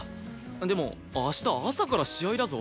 でも明日朝から試合だぞ。